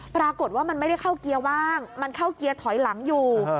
ปรากฏว่ามันไม่ได้เข้าเกียร์ว่างมันเข้าเกียร์ถอยหลังอยู่